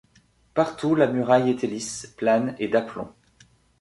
Partout la muraille était lisse, plane et d’aplomb.